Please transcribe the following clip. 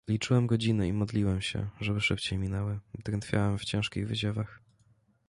"Liczyłem godziny i modliłem się, żeby szybciej minęły; drętwiałem w ciężkich wyziewach."